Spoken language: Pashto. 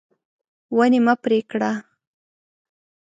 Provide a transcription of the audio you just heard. ونې مه پرې کړه.